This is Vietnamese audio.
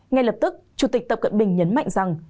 ngay lập tức chủ tịch tập cận bình nhấn mạnh rằng